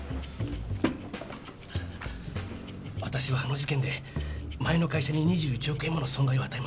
私はあの事件で前の会社に２１億円もの損害を与えました。